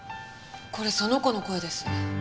これその子の声です。